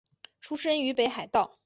出身于北海道。